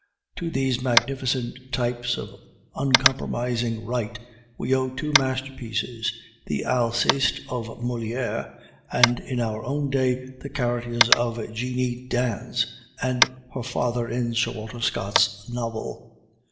To these magnificent types of uncompromising Right we owe two masterpieces the Alceste of Moliere, and, in our own day, the characters of Jeanie Deans and her father in Sir Walter Scott's novel.